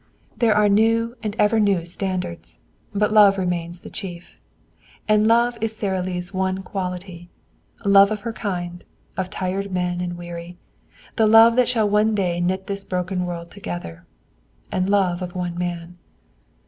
There are new and ever new standards, but love remains the chief. And love is Sara Lee's one quality love of her kind, of tired men and weary, the love that shall one day knit this broken world together. And love of one man.